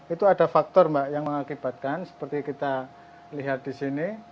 itu ada faktor mbak yang mengakibatkan seperti kita lihat di sini